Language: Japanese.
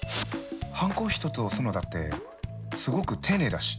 ハンコ一つ押すのだってすごく丁寧だし。